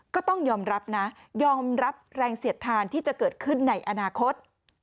ก็ต้องยอมรับนะยอมรับแรงเสียดทานที่จะเกิดขึ้นในอนาคต